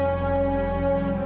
aku mau jalan